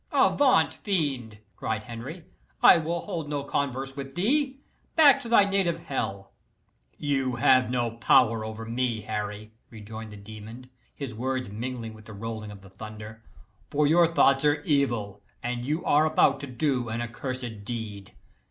"Avaunt, fiend!" cried Henry. "I will hold no converse with thee. Back to thy native hell!" "You have no power over me, Harry," rejoined the demon, his words mingling with the rolling of the thunder, "for your thoughts are evil, and you are about to do an accursed deed.